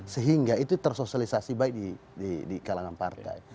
sehingga itu tersosialisasi baik di kalangan partai